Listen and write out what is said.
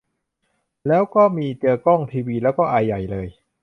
แล้วก็มีเจอกล้องทีวี แล้วก็ไอใหญ่เลย